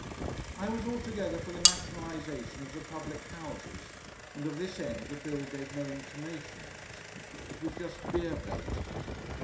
I was altogether for the nationalisation of the public houses, and of this end the Bill gave no intimations. It was just beer baiting.